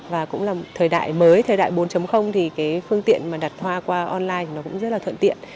và cũng là thời đại mới thời đại bốn thì phương tiện đặt hoa qua online cũng rất là thuận tiện